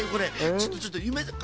ちょっとちょっとゆめか